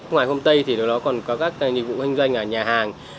ngoài hôm tây thì nó còn có các nhiệm vụ hành doanh nhà hàng